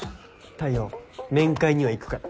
太陽面会には行くから。